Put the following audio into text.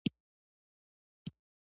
زه به ځواب درکړم چې زما ژوند ډېر مهم دی.